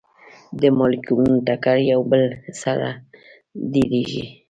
د مالیکولونو ټکر یو بل سره ډیریږي.